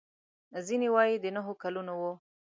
ځینې وايي د نهو کلونو و.